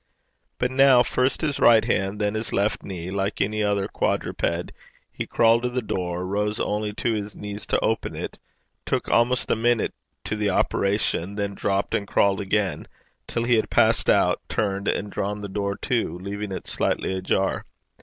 But now, first his right hand, then his left knee, like any other quadruped, he crawled to the door, rose only to his knees to open it, took almost a minute to the operation, then dropped and crawled again, till he had passed out, turned, and drawn the door to, leaving it slightly ajar.